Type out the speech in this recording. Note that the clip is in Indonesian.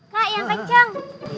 kak yang kenceng